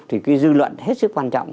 thì cái dư luận hết sức quan trọng